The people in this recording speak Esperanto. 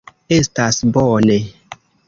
Estas bone.